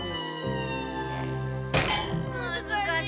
むずかしい！